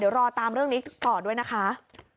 เดี๋ยวรอตามเรื่องนี้ต่อด้วยนะคะ